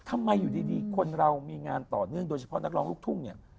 ทำไมอยู่ดีคนเรามีงานต่อเนื่องโดยเฉพาะนักร้องลูกทุ่งเนี่ย